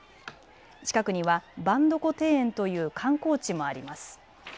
近くには番所庭園という観光地もあります。